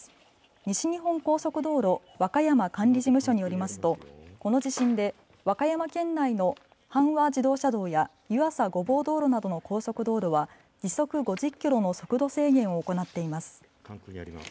西日本高速道路和歌山管理事務所によりますとこの地震で和歌山県内の阪和自動車道や湯浅御坊道路などの高速道路は時速５０キロの速度制限を行っています。